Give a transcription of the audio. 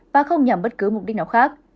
và không nhằm bất cứ mục đích nào khác